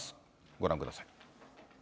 ご覧ください。